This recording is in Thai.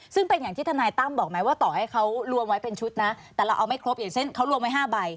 ซึ่งเป็นอย่างที่ทนายตั้มบอกไหมว่าต่อให้เขารวมไว้เป็นชุดนะแต่เราเอาไม่ครบอย่างเช่นเขารวมไว้๕ใบ